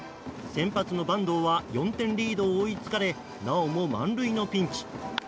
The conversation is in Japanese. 先発の板東は４点リードを追いつかれなおも満塁のピンチ。